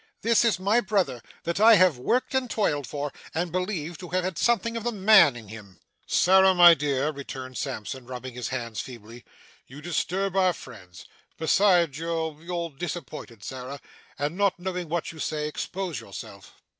This is my brother, that I have worked and toiled for, and believed to have had something of the man in him!' 'Sarah, my dear,' returned Sampson, rubbing his hands feebly; 'you disturb our friends. Besides you you're disappointed, Sarah, and, not knowing what you say, expose yourself.